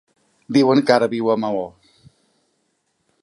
Diuen que ara viu a Maó.